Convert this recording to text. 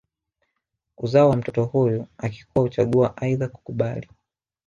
Uzao wa mtoto huyu akikua huchagua aidha kukubali